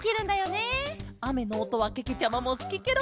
あめのおとはけけちゃまもすきケロ。